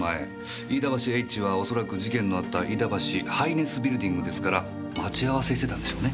「飯田橋Ｈ」は恐らく事件のあった飯田橋ハイネスビルディングですから待ち合わせしてたんでしょうね。